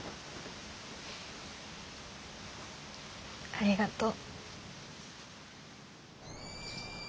ありがとう。